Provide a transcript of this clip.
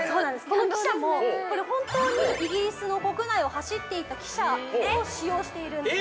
この汽車も、これ本当にイギリスの国内を走っていた汽車を使用しているんです。